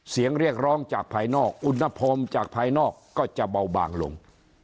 เสียงเรียกร้องจากภายนอกอุณหภูมิจากภายนอกก็จะเบาบางลง